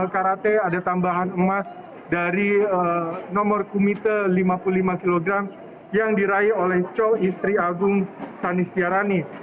karate ada tambahan emas dari nomor kumite lima puluh lima kg yang diraih oleh co istri agung sanistiarani